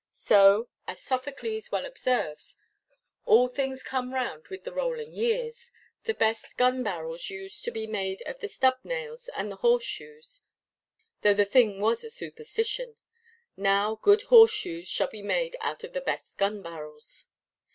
So, as Sophocles well observes, all things come round with the rolling years: the best gun–barrels used to be made of the stub–nails and the horse–shoes (though the thing was a superstition); now good horse–shoes shall be made out of the best gun–barrels.